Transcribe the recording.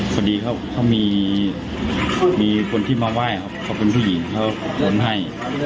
พอดีเขามีคนที่มาไหว้ครับเขาเป็นผู้หญิงเขาโอนให้